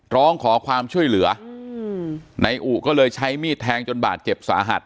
ร้องขอความช่วยเหลือนายอุก็เลยใช้มีดแทงจนบาดเจ็บสาหัส